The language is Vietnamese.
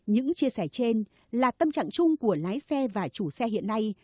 những chia sẻ trên là tâm trạng chung của lái xe và chủ xe hiện nay